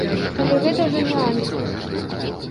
Але гэта ўжо нюансы.